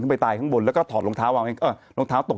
ขึ้นไปตายข้างบนแล้วก็ถอดลองเท้าเอาเองเออลองเท้าตก